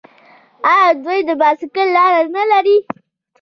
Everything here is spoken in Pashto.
آیا دوی د بایسکل لارې نلري؟